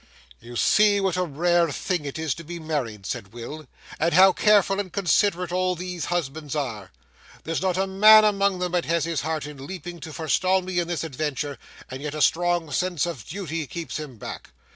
'You see what a rare thing it is to be married,' said Will, 'and how careful and considerate all these husbands are. There's not a man among them but his heart is leaping to forestall me in this adventure, and yet a strong sense of duty keeps him back.